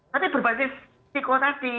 tapi berbasis psikotasi